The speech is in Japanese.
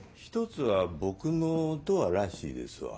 １つは僕のドアらしいですわ。